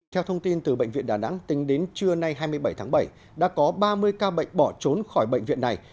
theo thông tin từ bệnh viện đà nẵng tính đến trưa nay hai mươi bảy tháng bảy đã có ba mươi ca bệnh bỏ trốn khỏi bệnh viện này